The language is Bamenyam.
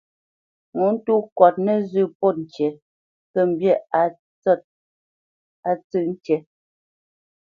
Ŋo tô kɔt nǝzǝ́ pɔ́t ŋkǐ kə̂ mbî á tsǝ̂p ŋkǐ.